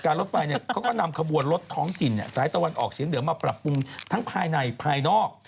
การรถไฟเนี่ยเค้าก็นำขบวนรถท้องจินเนี่ยสายตะวันออกเฉียงเดือมาปรับปรุงทั้งภายในภายนอก